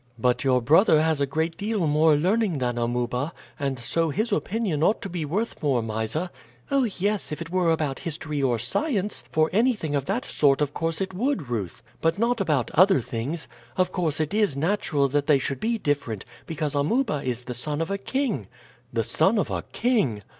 "But your brother has a great deal more learning than Amuba, and so his opinion ought to be worth more, Mysa." "Oh, yes, if it were about history or science; for anything of that sort of course it would, Ruth, but not about other things. Of course, it is natural that they should be different, because Amuba is the son of a king." "The son of a king?"